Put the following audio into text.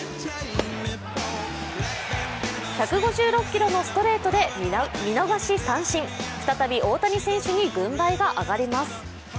１５６キロのストレートで見逃し三振再び大谷選手に軍配が上がります。